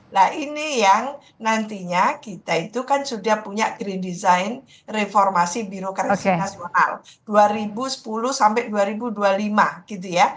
nah ini yang nantinya kita itu kan sudah punya green design reformasi birokrasi nasional dua ribu sepuluh sampai dua ribu dua puluh lima gitu ya